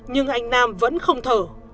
nhưng anh nam vẫn không thở